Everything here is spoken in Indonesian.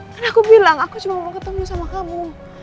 kan aku bilang aku cuma mau ketemu sama kamu